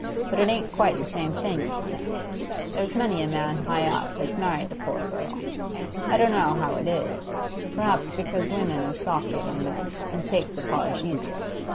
'But it ain't quite the same thing, you see. There's many a man high up has married a poor girl. I don't know how it is; perhaps because women is softer than men, and takes the polish easier.